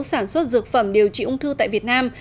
sản xuất dược phẩm điều trị ung thư tại việt nam